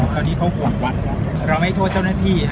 ตอนนี้เขาหวังว่าเราไม่โทษเจ้าหน้าที่